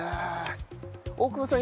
大久保さん